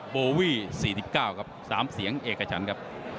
ปริศนาปริศนียา